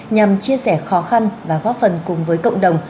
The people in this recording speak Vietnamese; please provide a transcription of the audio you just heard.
nhằm chia sẻ khó khăn và góp phần cùng với cộng đồng